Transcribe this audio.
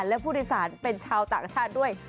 และผู้โดยสารเป็นชาวต่างชาติด้วย